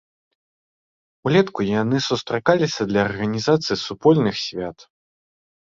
Улетку яны сустракаліся для арганізацыі супольных свят.